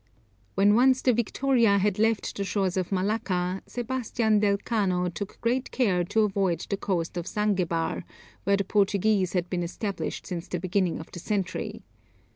When once the Victoria had left the shores of Malacca, Sebastian del Cano took great care to avoid the coast of Zanguebar, where the Portuguese had been established since the beginning of the century.